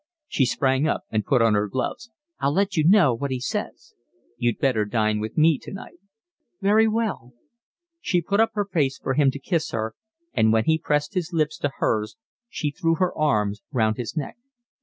She sprang up and put on her gloves. "I'll let you know what he says." "You'd better dine with me tonight." "Very well." She put up her face for him to kiss her, and when he pressed his lips to hers she threw her arms round his neck.